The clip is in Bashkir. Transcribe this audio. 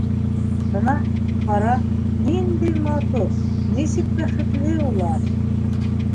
Бына, ҡара, ниндәй матур, нисек бәхетле улар!